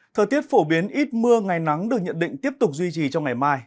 thời tiết phổ biến ít mưa ngày nắng được nhận định tiếp tục duy trì trong ngày mai